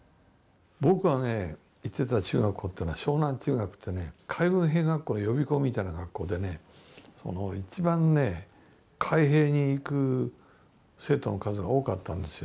僕が行ってた中学校というのは湘南中学ってね海軍兵学校の予備校みたいな学校でね一番海兵に行く生徒の数が多かったんですよ。